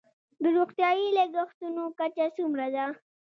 د روغتیايي لګښتونو کچه څومره ده؟